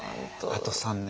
あと３年。